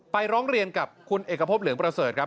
ร้องเรียนกับคุณเอกพบเหลืองประเสริฐครับ